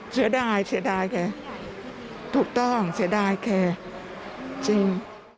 เสียดายเสียดายแกถูกต้องเสียดายแกจริง